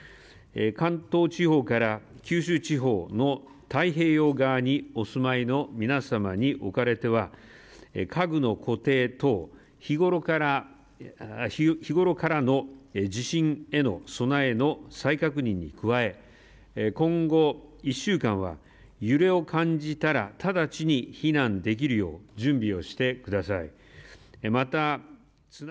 関東地方から九州地方の太平洋側にお住まいの皆様におかれては、家具の固定等、日頃からの地震への備えの再確認に加え、今後１週間は揺れを感じたら直ちに避難できるよう準備をしてください。